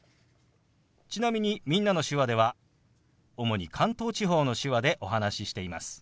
ちなみに「みんなの手話」では主に関東地方の手話でお話ししています。